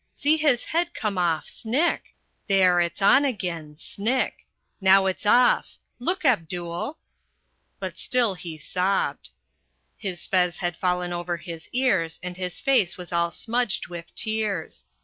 See his head come off snick! There, it's on again, snick! now it's off! look, Abdul!" But still he sobbed. His fez had fallen over his ears and his face was all smudged with tears.